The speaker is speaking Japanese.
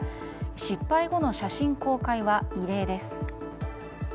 失敗後の写真公開は異例です。